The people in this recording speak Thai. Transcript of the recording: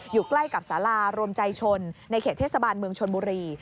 อยู่ใกล้กับสารารวมใจชนในเขตเทศบาลเมืองชนบุรี